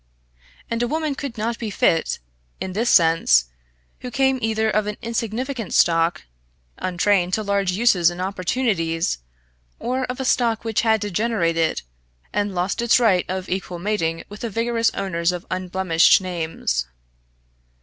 And a woman could not be fit, in this sense, who came either of an insignificant stock, untrained to large uses and opportunities, or of a stock which had degenerated, and lost its right of equal mating with the vigorous owners of unblemished names.